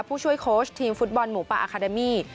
ผู้ช่วยโค้ชทีมฟุตบอลหมูป่าอาคาเดมี่